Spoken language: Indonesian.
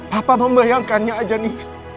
papa membayangkannya aja nih